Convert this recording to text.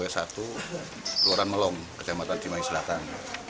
keluaran melong kecamatan cimai selatan